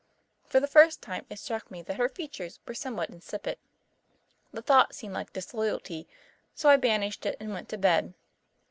For the first time it struck me that her features were somewhat insipid. The thought seemed like disloyalty, so I banished it and went to bed.